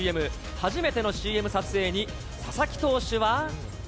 初めてのＣＭ撮影に、佐々木投手